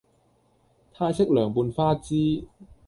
泰式涼拌花枝